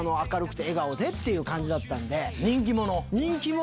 人気者？